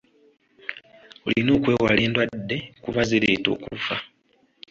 Olina okwewala endwadde kuba zireeta okufa.